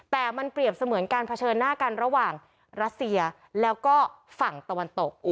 แต่มันเปรียบเสมือนการเผชิญหน้ากันระหว่างรัสเซียแล้วก็ฝั่งตะวันตก